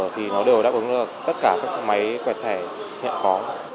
thì nó đều đáp ứng được tất cả các máy quẹt thẻ hiện có